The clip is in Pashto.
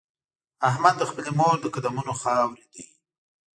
احمد د خپلې مور د قدمونو خاورې دی.